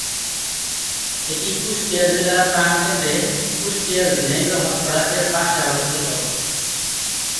এটি কুষ্টিয়া জেলার প্রাণকেন্দ্রে কুষ্টিয়া-ঝিনাইদহ সড়কের পাশে অবস্থিত।